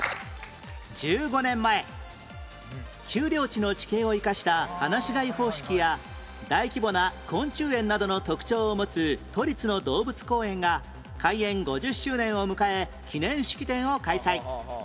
１５年前丘陵地の地形を生かした放し飼い方式や大規模な昆虫園などの特徴を持つ都立の動物公園が開園５０周年を迎え記念式典を開催